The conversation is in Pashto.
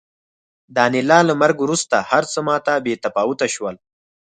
د انیلا له مرګ وروسته هرڅه ماته بې تفاوته شول